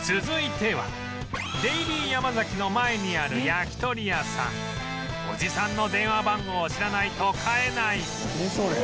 続いては「デイリーヤマザキの前にある焼き鳥屋さんおじさんの電話番号を知らないと買えない」